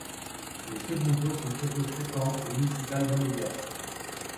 Les second tours sont très peu fréquent aux municipales monégasques.